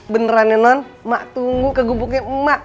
beneran ya non emak tunggu kegubungnya emak